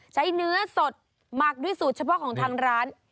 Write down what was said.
ใช้เนื้อสดหมักด้วยสูตรเฉพาะของทางร้าน